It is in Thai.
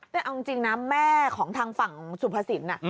แต่เอาจริงนะแม่ของทางฝั่งสุภสิน